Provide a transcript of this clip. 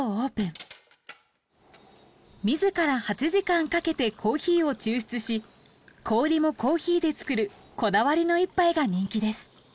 自ら８時間かけてコーヒーを抽出し氷もコーヒーで作るこだわりの一杯が人気です。